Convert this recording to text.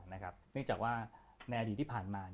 เนื่องจากว่าในอดีตที่ผ่านมา